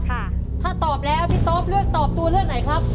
ถ้าตอบแล้วพี่ต๊อปเลือกตอบตัวเลือกไหนครับ